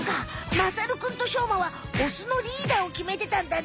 まさるくんとしょうまはオスのリーダーをきめてたんだね。